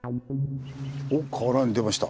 おっ河原に出ました。